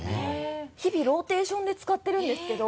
日々ローテーションで使ってるんですけど。